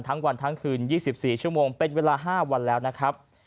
ทั้งวันทั้งคืนยี่สิบสี่ชั่วโมงเป็นเวลาห้าวันแล้วนะครับ